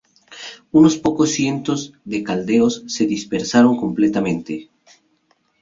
Unos pocos cientos de caldeos se dispersaron completamente.